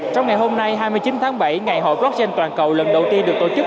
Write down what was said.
trong ngày hôm nay hai mươi chín tháng bảy ngày hội blockchain toàn cầu lần đầu tiên được tổ chức